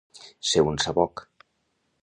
Ser un saboc.